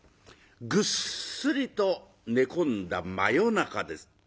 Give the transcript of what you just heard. ぐっすりと寝込んだ真夜中です。